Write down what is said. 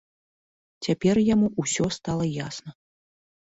Цяпер яму ўсё стала ясна.